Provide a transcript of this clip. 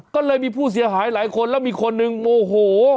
ก็เลยมีผู้เสียหายหลายคนแล้วมีคนหนึ่งโมโห